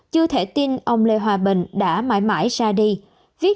chưa thể tin ông lê hòa bình đã mãi mãi ra đi viết